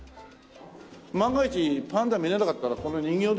万が一パンダ見られなかったらこの人形で。